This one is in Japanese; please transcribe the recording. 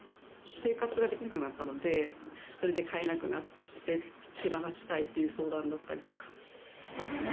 生活ができなくなったので、それで飼えなくなって、手放したいっていう相談だったりとか。